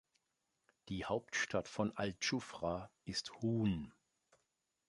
Die Hauptstadt von al-Dschufra ist Hun.